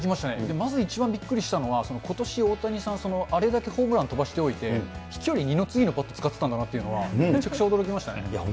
まず一番びっくりしたのは、ことし大谷さん、あれだけホームラン飛ばしておいて、飛距離、二の次のバットを使ってたんだなっていうのが、めちゃくちゃ驚きましたね。